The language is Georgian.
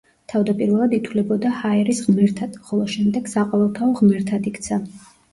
თავდაპირველად ითვლებოდა ჰაერის ღმერთად, ხოლო შემდეგ საყოველთაო ღმერთად იქცა.